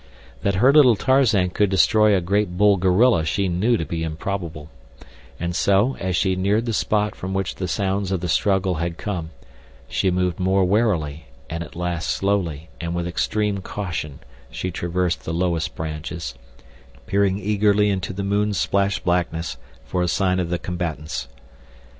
That her little Tarzan could destroy a great bull gorilla she knew to be improbable, and so, as she neared the spot from which the sounds of the struggle had come, she moved more warily and at last slowly and with extreme caution she traversed the lowest branches, peering eagerly into the moon splashed blackness for a sign of the combatants.